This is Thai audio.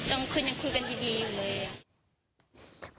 กลางคืนยังคุยกันดีอยู่เลยอะ